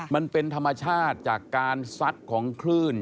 มันเป็นธรรมชาติจากการซัดของคลื่น